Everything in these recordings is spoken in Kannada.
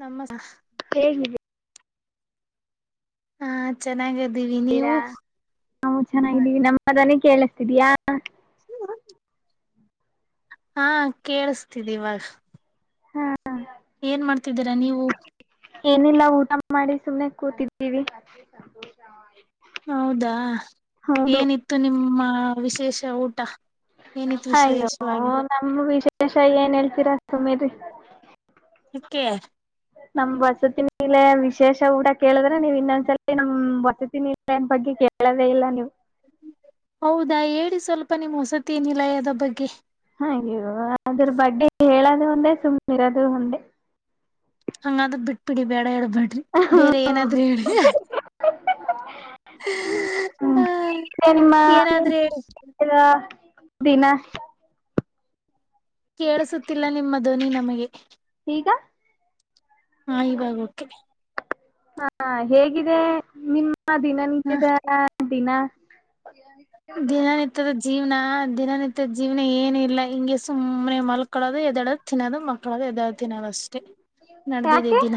ನಮ್ಮ ಹೇಗಿದ್ದೀರಾ ಹಾ ಚೆನ್ನಾಗ್ದೀವಿ ನೀವು ನಾವು ಚೆನ್ನಾಗಿದ್ದೀವಿ ನಮ್ಮದಾನೇ ಕೇಳಿಸ್ತಿದಯಾ ಸ [inaudible] ಹಾ ಕೇೇಳಸ್ತಿದ್ದಿ ಇವಾಗ ಹಾ ಏನ್ ಮಾಡ್ತಿದ್ದೀರಾ ನೀವು ಏನಿಲ್ಲ ಊಟ ಮಾಡಿ ಸುಮ್ನೆ ಕೂತಿದ್ದೀವಿ ಹೌದಾ ಹೌದು ಏನಿತ್ತು ನಿಮ್ಮ ವಿಶೇಷ ಊಟ ಏನಿತ್ತು ಅಯ್ಯೋ ವಿಶೇಷವಾಗಿ ನಮ ವಿಶೇಷ ಏನ್ ಹೇಳ್ತೀರಾ ಸುಮೀಿ ೆ [inaudible] ನಮ್ ವಸತಿನ ಮಲೆ ವಿಶೇಷ ಊಟ ಕೇಳಿದ್ರೆ ನೀವು್ ಇನ್ನೊಂದ್ಸಲ ನಮ್ಟ್ಟ ಇರತೀನಿ ಇಲ್ಲಏನ್ ಬಗ್ಗೆ ಕೇಳದೇ ಇಲ್ಲ ನೀವು ಹೌದಾ ಹೇಳಿ ಸ್ವಲ್ಪ ನಿಮ್ ವಸತಿ ನಿಲಯದ ಬಗ್ಗೆ ಅಯ್ಯೋ ಅದರ ಬಗ್ಗೆ ಹೇಳೋದು ಒಂದೆ ಸುಮ್ಮನ್ ಇರೋದು ಒಂದೆ ಹಂಗಾದ ಬಿಟ್ಬಿಡಿ ಬೇಡ ಹೇಳ್ಬೇಡ್ರಿ ಬೇರೆ ಏನಾದ್ರೂ ಹೇಳಿ ಹ್ಮ ಹ ತನ್ಮ್ಮ ಏನಾದ್ರೂ ಹೇಳಿ [unintelligible] ದಿನ ಕೇಳಸುತ್ತಿಲ್ಲ ನಿಮ್ಮ ಧ್ವನಿ ನಮಗೆ ಗ ಹಾ ಇವಾಗ ಓಕೆ ಹಾ ಹೇಗಿದೆ ನಿಮ್ಮ ದಿನ ಹ ನಿತ್ಯದ ದಿನ ದಿನನಿತ್ಯದ ಜೀವ್ನ ಹ ದಿನನಿತ್ಯ ಜೀವನ ಏನ ಇಲ್ಲ ಹಿಂಗೆ ಸುಮ್ಮನೆ ಮಲ್ಕಳೋದು ಎದ್ಳೋದು ತಿನ್ನೋದು ಮಕ್ಕಳದ ಎದಳದ ದಿನಾವಷ್ಟೇ ನಡದಿದೆ ಯಾಕೆ ದಿನ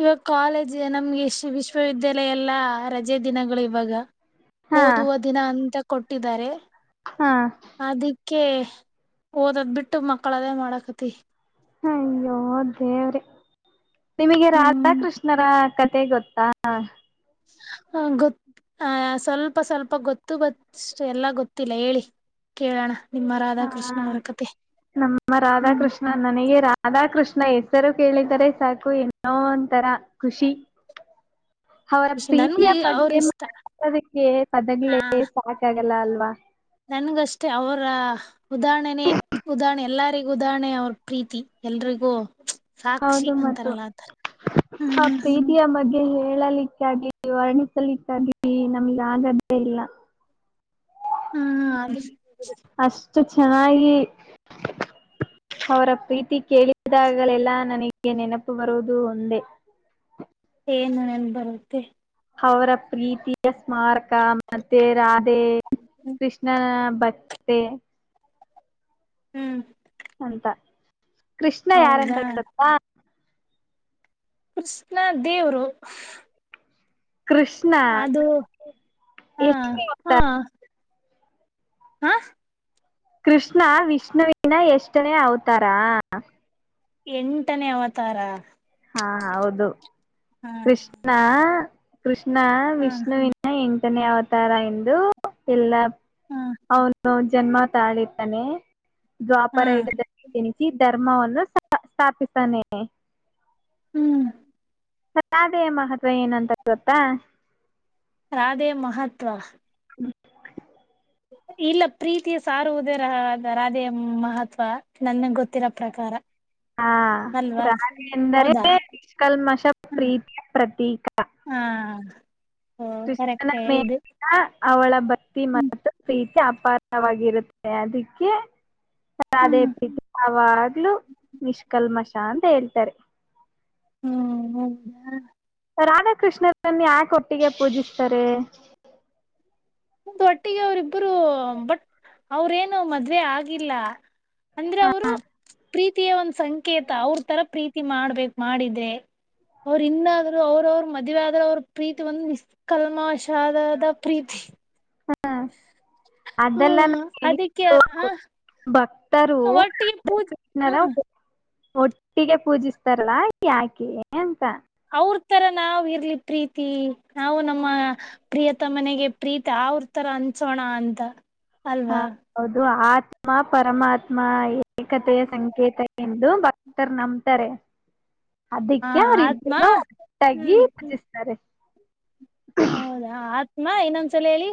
ಇವಾಗ ಕಾಲೇಜ್ ನಮ್ಗೆ ಎಷ್ಟ ವಿಶ್ವವಿದ್ಯಾಲಯ ಎಲ್ಲಾ ರಜೆ ದಿನಗಳು ಇವಾಗ ಹಾ ಓದುವ ದಿನ ಅಂತ ಕೊಟ್ಟಿದ್ದಾರೆ ಹಾ ಅಕಿ ಓದದ್ ಬಿಟ್ಟು ಮಕ್ಕಳದೇ ಮಾಡಕತಿ ಹಯ್ಯೋ ದೇವರೇ ನಿಮಗೆ ಹ್ಮ್ ರಾಧಾಕೃಷ್ಣರ ಕಥ ಮತ್ತೆ ಗೊತ್ತಾ ಹಾ ಗೊತ್ತ ಹ ಸ್ವಲ್ಪ ಸ್ವಲ್ಪ ಗೊತ್ತು ಬತ್ ಎಲ್ಲಾ ಗೊತ್ತಿಲ್ಲ ಹೇಳಿ ಕೇಳೋಣ ನಿಮ್ಮ ಹಾ ರಾಧಾಕೃಷ್ಣ ಅವರ ಕತೆ ನಮ್ಮ ಹ್ಮ್ ರಾಧಾಕೃಷ್ಣ ನನಗೆೇ ರಾ ರಾಧಾ ಕೃಷ್ಣ ಹೆಸರು ಕೇಳಿದ್ದರೆ ಸಾಕು ಏನು ಒಂತರ ಖುಷಿ ಅವರ ಖುಷಿ ನನ್ಗೂ ಪ್ರೀತಿಯ ಅವ್ರ ಬಗ್ಗೆ ಇಷ್ಟ ಅದಕ್ಕೆ ಪದಗ್ಲೆೇ ಸಾಕಾಗಲ್ಲ ಅಲ್ವಾ ನನ್ಗಷ್ಟೆ ಅವರ ಉದಾಹರಣೆನೆ ಉದಾಹರಣೆ ಎಲ್ಲರಿಗೂ ಉದಾಹರಣೆ ಅವ್ರ ಪ್ರೀತಿ ಎಲ್ರಿಗೂ ಸಾಕ್ಷಿ ಹೌದು ಮತ್ತು ಅಂತಾರಲ್ಲ ಆತರ ಅವರ ಹ್ಮ್ ಪ್ರೀತಿಯ ಮಧ್ಯ ಗೆ ಹೇಳಲಿಕ್ಕಾಗಿ ವರ್ಣಿಸಲಿಕ್ಕಾಗಿಲಿ ನಮ್ಗೆ ಆಗದೇ ಇಲ್ಲ ಹ್ಮ್ ಅದ ಹ್ಮ ಅಷ್ಟು ಚೆನ್ನಾಗಿ ಅವರ ಪ್ರೀತಿ ಕೇಳಿದಾಗಲೆಲ್ಲಾ ನನಗೆ ನೆನಪು ಬರುವುದು ಒಂದೇ. ಏನು ನೆನಪ್ ಬರುತ್ತೆ ಅವರ ಪ್ರೀತಿಯ ಸ್ಮಾರಕ ಮತ್ತೆ ರಾಧೆ ಕೃಷ್ಣನ ಬಟ್ಟೆ ಹ್ಮ್ ಅಂತ ಕೃಷ್ಣ ಹೌದಾ ಯಾರಂತಪ್ಪ ಕೃಷ್ಣ ದೇವರು. ಕೃಷ್ಣ ಅದು ಹಾ ಎಷ್ಟನೇ ಹಾ ಅವತಾರ ಹಾ ಕೃಷ್ಣ ವಿಷ್ಣುವಿನ ಎಷ್ಟನೇ ಅವತಾರ ಎಂಟನೇ ಅವತಾರ. ಹಾ ಹೌದು ಹಾ ಕೃಷ್ಣ ಕೃಷ್ಣ ಹಾ ವಿಷ್ಣುವಿನ ಎಂ ಎಂಟನೇ ಅವತಾರ ಎಂದು ಎಲ್ಲ ಹಾ ಅವನು ಜನ್ಮ ತಾಳಿರ್ತಾನೆ ಹಾ ದ್ವಾಪರ ಯುಗದಲ್ಲಿ ಇಣುಕಿ ದರ್ ಧರ್ಮವನ್ನು ಸ್ ಸ್ಥಾಪಿಸಾನೆ ಹ್ಮ್ ರಾಧೆಯ ಮಹತ್ವ ಏನಂತ ಗೊತ್ತಾ ರಾಧೆ ಮಹತ್ವ ಹ [inaudible] ಇಲ್ಲ ಪ್ರೀತಿಯ ಸಾರುವುದೇ ರ ರಾಧೆಯ ಮಹತ್ವ ನನ್ಗ್ ಗೊತ್ತಿರೋ ಪ್ರಕಾರ ಹಾ ಅಲ್ವಾ ರಾಣಿ ಎಂದರೆ ಹೌದಾ ಪಷ್ಕಲ್ಮಷ ಹ್ಮ ಪ್ರೀತಿಯ ಪ್ರತೀಕ ಹಾ ಓ ನ ಕರೆಕ್ಟೇ ಮ ಇದು ಅವಳ ಬತ್ತಿ ಹ್ಮ್ ಮತ್ತು ಪ್ರೀತಿ ಅಪಾರವಾಗಿರುತ್ತೆ ಅದಕ್ಕೆ ದೇ ಹ್ಮ್ ಪ್ರ ಯಾವಾಗ್ಲುೂ ನಿಷ್ಕಲ್ಮಷಾ ಅಂತ ಹೇಳ್ತಾರೆ ಹ್ಮ್ ಹ ರಾಧಾಕೃಷ್ಣರನ್ನು ಯಾಕೆ ಒಟ್ಟಿಗೆ ಪೂಜಿಸ್ತಾರೆ ಒಂದು ಒಟ್ಟಿಗೆ ಅವರಿಬ್ಬರು ಬಟ್ ಅವ್ರೇನು ಮದ್ವೆ ಆಗಿಲ್ಲ ಅಂದ್ರೆ ಹ ಅವರು ಪ್ರೀತಿಯ ಒಂದ್ ಸಂಕೇತ ಅವ್ರ ತರ ಪ್ರೀತಿ ಮಾಡ್ಬೇಕ ಮಾಡಿದೆ. ಅವ್ರ ಇನ್ನಾದ್ರು ಅವ್ರ ಅವ್ರ ಮದುವೆ ಆದ್ರ ಅವ್ರ ಪ್ರೀತಿ ಒಂದು ನಿಸ್ಕಲ್ಮಶಾದದ ಪ್ರೀತಿ ಹ ಅದೆಲ್ಲ ಹ್ಮ್ ನ ಅದಕ್ಕೆ ಹ ಭಕ್ತರು ಒಟ್ಟಿಗೆ ರಾಧ ಪೂಜೆ ಕೃಷ್ಣರ ಹ್ಮ ಒಟ್ಟಿಗೆ ಪೂಜಿಸ್ತಾರಲ್ಲ ಯಾಕೆ ಅಂತ ಅವ್ರ ತರ ನಾವ ಇರ್ಲಿ ಪ್ರೀತಿ ನಾವು ನಮ್ಮ ಪ್ರಿಯತ ಮನೆಗೆ ಪ್ರೀತಿ ಮ ಯಾವ್ರ ತರ ಅನ್ಸೋಣ ಅಂತ ಹಾ ಅಲ್ವಾ ಹೌದು ಆತ್ಮ ಪರಮಾತ್ಮ ಏಕತೆಯ ಸಂಕೇತ ಎಂದು ಆತರ್ ನಂಬ್ತಾರೆ ಹಾ ಅದಕ್ಕೆ ಆತ್ಮ ಅವರಿಬ್ಬನ್ನು ಒಟ್ಟಾಗಿ ಹ್ಮ್ ಹ್ಮ್ ಭಜಿಸ್ತಾರೆ ಹೌದಾ ಆತ್ಮ ಇನ್ನೊಂದ್ಸಲ ಹೇಳಿ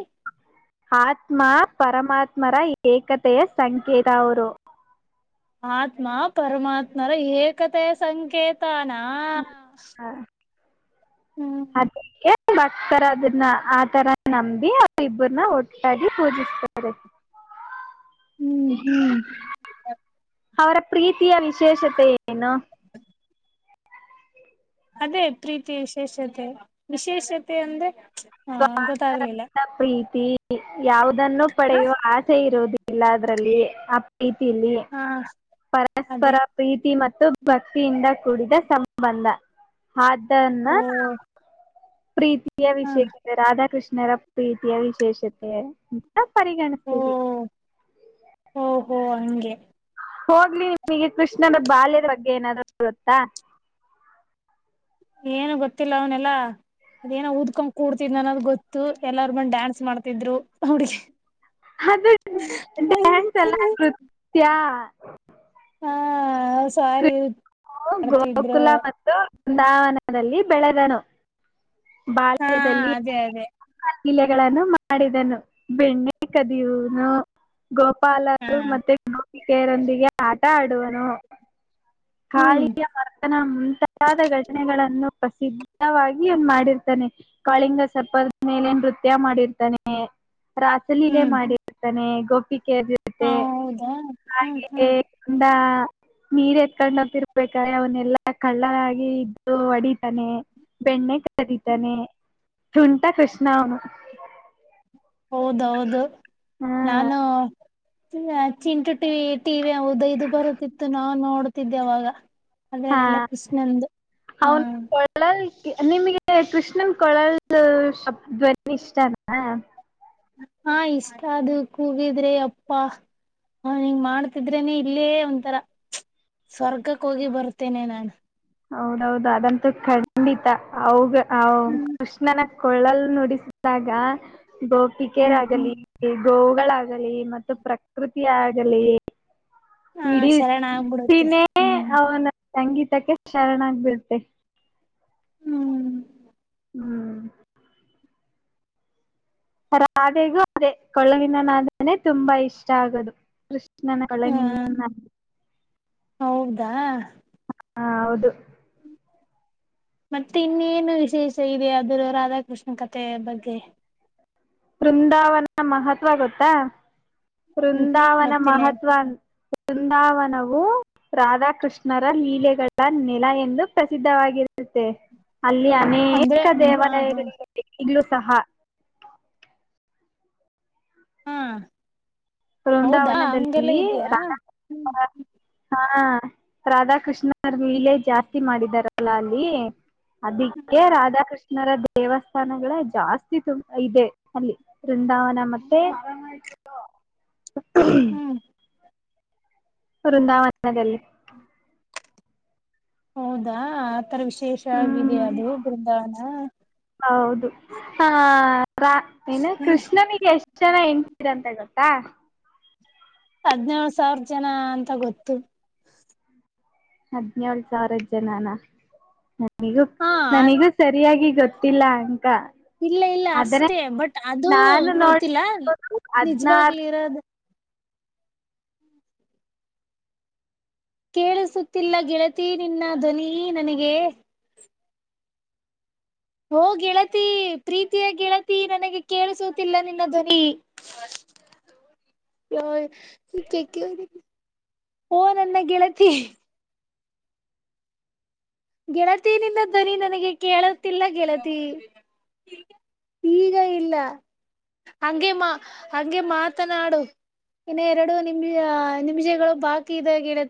ಆತ್ಮ ಪರಮಾತ್ಮರ ಏಕತೆಯ ಸಂಕೇತ ಅವರು ಆತ್ಮ ಪರಮಾತ್ಮರ ಏಕತೆಯ ಸಂಕೇತ ತಾನಾ ಹ ಭಕ್ತರ ಅದನ್ನ ಆತರ ನಂಬಿ ಅವ ಇಬ್ಬ್ರನ್ನ ಒಟ್ಟಾಗಿ ಪೂಜಿಸ್ತಾರೆ ಹ ಹ್ಮ್ ಹ್ಮ್ ಅವರ ಪ್ರೀತಿಯ ವಿಶೇಷತೆ ಏನು ಅದೇ ಪ್ರೀತಿ ವಿಶೇಷತೆ ವಿಶೇಷತೆ ಅಂದ್ರೆ ಹಾ ಗೊತ್ತಾಗ್ಲಿಲ್ಲ ಯಾವದನ್ನು ಹ ಪಡೆಯುವ ಆಸೆ ಇರುವುದ ಇಿಲ್ಲ ಅದ್ರಲ್ಲಿ ರೀತಿ ಇಲ್ಲಿ ಹಾ ಅದೇ ಪರಸ್ಪರ ಪ್ರೀತಿ ಮ ಭಕ್ತಿಯಿಂದ ಕೂಡಿದ ಸಂಬಂಧ ಆದ್ದನ್ನ ಓ ಪ್ರೀತಿಯ ಹ ವಿಶೇಷತೆ ರಾಧಾಕೃಷ್ಣರ ಪ್ರೀತಿಯ ವಿಶೇಷತೆ ನ ಓ ಪರಿಗಣಿಸ್ತೀವಿ ಓಹೋ ಹಂಗೆ ಹೋಗ್ಲಿ ನಿಮಗೆ ಕೃಷ್ಣನ ಬಾಲ್ಯದ ಬಗ್ಗೆ ಏನಾದ್ರು ಗರುತ್ತಾ ಏನು ಗೊತ್ತಿಲ್ಲ ಅವನೆಲ್ಲಾ ಅದೇನ ಉದಕೊಂಡ್ ಕೂಡ್ತಿದ್ ಅನ್ನೋದು್ ಗೊತ್ತು ಎಲ್ಲಾರ ಬಂದ್ ಡ್ಯಾನ್ಸ್ ಮಾಡ್ತಿದ್ರು ಅವ ಅದು ಹಂಡಸಲ ಆಗ್ ಹಾ ಸಾರಿ [inaudible] ಹ ಮಾಡ್ತಿದ್ರು ಗೋಕುಲ ಮತ್ತು ವೃಂದಾವನದಲ್ಲಿ ಬೆಳೆದಣ ಹಾ ಬಾಲ್ಯದಲ್ಲಿ ಅದೇ ಅದೇ ಇಲೆಗಳನ್ನು ಮಾಡಿದನು ಬೆಣ್ಣೆ ಕದಿಯೂನು ಹಾ ಗೋಪಾಲರು ಮತ್ತೆ ಗೋಪಿಕೆಯರೊಂದಿಗೆ ಆಟ ಆಡುವನು [inaudible] ಹ್ಮ್ ಕಾಳಿಯ ಮರ್ತನ ಮುಂತಾದ ಘಟನೆಗಳನ್ನು ಪ್ರಸಿದ್ಧವಾಗಿ ಒ ಮಾಡಿ [inaudible] ಇರ್ತಾನೆ ಕಾಳಿಂಗ ಸರ್ಪದ ಮೇಲೆ ನೃತ್ಯ ಮಾಡಿರ್ತಾನೆ [inaudible] ಹ ರಾಸಲೀಲೆ ಮಾಡಿರ್ತಾನೆ ಗೋಪಿ ಹೌದಾ ಹ್ಮ್ ಹ್ಮ್ [unintelligible] ನೀರ್ ಎತ್ಕೊಂಡಂತ ಇರ್ಬೇಕ ಅವನ್ನೆಲ್ಲಾ ಕಳ್ಳನಾಗಿ ಇದ್ದು ಹೊಡಿತಾನೆ ಬೆಣ್ಣೆ ಕದಿತಾನೆ ತುಂಟಾ ಕೃಷ್ಣ ಅವನು ಹೌದೌದು ಹ್ಮ್ ನಾನು ಚಿಂಟು ಟಿವಿ ಟಿ ಹೌದದು ಬರುತ್ತಿತ್ತು ನಾ ನೋಡ್ತಿದ್ದೆ ಅವಾಗ ಹಾ ಅದ್ರಲ್ಲೆಲ್ಲ ಕೃಷ್ಣಂದು ಹಾ ಅವನು ನಿಮ್ಗೆ ಕೃಷ್ಣನ್ ಕೊಳಲ್ ಶಬ್ದಧ್ವನಿ ಇಷ್ಟನಾ ಹಾ ಇಷ್ಟ ಅದು ಕೂಗಿದ್ರೆ ಎಪ್ಪಾ ಹ ನೀಂಗ ಮಾಡ್ತಿದ್ರೇನೆ ಇಲ್ಲೇ ಒಂತರಾ ಸ್ವರ್ಗಕ್ಕೆ ಹೋಗಿ ಬರ್ತೇನೆ ನಾನು ಹೌದೌದು ಅದಂತೂ ಖಂಡಿತ ಅವ ಕೃಷ್ಣನ ಕೊಳ್ಳಲ್ ನುಡಿಸಿದಾಗ ಗೋಪಿಕೆ ಹ್ಮ್ ಆಗಲಿ [inaudible] ಗೋವುಗಳಾಗಲಿ ಮತ್ತು ಪ್ರಕೃತಿ ಆಾಗಲಿ ಹ ಶರಣ ಆಗ್ಬಿಡುತ್ತೆ ಇಡೀನ್ನೇ ಹ್ಮ್ ಅವನ ಸಂಗೀತಕ್ಕೆ ಶರಣಾಗಬಿಡ್ತೆ ಹ್ಮ್ ಹ್ಮ್ ರಾಧೆಗೂ ಅದೇ ಕೊಳ್ಳಲಿನನಾದಾನೇ ತುಂಬಾ ಇಷ್ಟ ಆಗೋದು ಹ ನನ್ನ [unintelligible] ಹೌದಾ ಹಾ ಹೌದು [inaudible] ಮತ್ತೆ ಇನ್ನೇನು ವಿಶೇಷ ಇದೆ ಅದ್ರ ರಾಧಾಕೃಷ್ಣ ಕಥೆಯ ಬಗ್ಗೆ ಬೃಂದಾವನ ಮಹತ್ವ ಗೊತ್ತಾ ಹ್ಮ್ ಹ್ಮ್ ಬೃಂದಾವನ ಗೊತ್ತಿಲ್ಲ ಮಹತ್ವ ವೃಂದಾವನವು ರಾಧಾಕೃಷ್ಣರ ಲೀಲೆಗಳ ನೆಲ ಎಂದು ಪ್ರಸಿದ್ಧವಾಗಿದೆ ಇತ್ತೆ ಅಲ್ಲಿ ಅಂದ್ರೆ ಅನೇಕ ಹಾ ಹಾ ದೇವಾಲಯಗಳಿರುತ್ತೆ ಈಗ್ಲೂ ಸಹ ಹಾ ಹೌದಾ ಬೃಂದಾವನದಲ್ಲಿ ಹಂಗೆಲ್ಲ ಇದಯಾ ಹ್ಮ್ ಹಾ ಹಾ ರಾಧಾಕೃಷ್ಣ ಅವ ಲೀಲೆೇ ಜಾಸ್ತಿ ಮಾಡಿದಾರಲ್ಲ ಅಲ್ಲಿ ಅದಿಕ್ಕೆ ಹ್ಮ್ ರಾಧಾಕೃಷ್ಣರ ದೇವಸ್ಥಾನಗಳ ಜಾಸ್ತಿ ತುಂಬ ಇದೆ ಅಲ್ಲಿ ಬೃಂದಾವನ ಮತ್ತೆ [unintelligible] ಹ್ಮ್ [unintelligible] ಬೃಂದಾವನದಲ್ಲಿ ಹೌದಾ ಆತರ ವಿಶೇಷ ಆಗಿದೆ ಹ್ಮ್ ಅದು ಬೃಂದಾವನಾ ಹೌದು ಹ ಎನು ಹ್ಮ್ ಕೃಷ್ಣನಿಗೆ ಎಷ್ಟ ಜನ ಹೆಂಡತಿರು ಗೊತ್ತಾ ಹದ್ನೇಳು ಸಾವಿರ ಜನ ಅಂತ ಗೊತ್ತು ಹದ್ನಳ್ ಸಾವಿರ ಜನಾನ ನನಗೂ ಹಾ ನನಿಗೂ ಸರಿಯಾಗಿ ಗೊತ್ತಿಲ್ಲ ಅಕ ಇಲ್ಲ ಇಲ್ಲ ಆದ್ರ ಅಷ್ಟೇ ಬಟ್ ಅದು ನಾನು ಗೊತ್ತಿಲ್ಲ ನೋಡಿದು ಹದ್ನಾರು ನಿಜವಾಗ್ಲಿ ಇರೋದು ಕೇಳಿಸುತ್ತಿಲ್ಲ ಗೆಳತಿ ನಿನ್ನ ಧ್ವನಿ ನನಗೆ ಓ ಗೆಳತಿ ಪ್ರೀತಿಯ ಗೆಳತಿ ನನಗೆ ಕೇಳಸೋತಿಲ್ಲ ನಿನ್ನ ಧ್ವನಿ ಹ [unintelligible] ಓ ನನ್ನ ಗೆಳತಿ ಗೆಳತಿನಿಂದ ಧ್ವನಿ ನನಗೆ ಕೇಳತಿಲ್ಲ ಗೆಳತಿ. ಈಗ ಇಲ್ಲ ಹಂಗೆ ಮಾತ ಹಗೆ ಮಾತನಾಡು ಇನ್ನ ಎರಡು ನಿಮ ನಿಮಿಷಗಳು ಬಾಕಿ ಇವೆ ಗೆಳತಿ